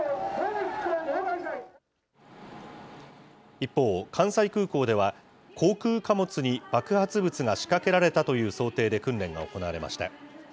一方、関西空港では航空貨物に爆発物が仕掛けられたという想定で訓練が行われました。